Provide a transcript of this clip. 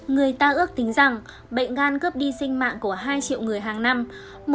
người ta ước tính rằng bệnh ngan cướp đi sinh mạng của hai triệu người hàng năm